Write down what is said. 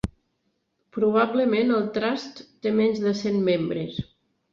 Probablement el Trust té menys de cent membres.